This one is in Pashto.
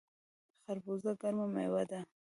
خربوزه ګرمه میوه ده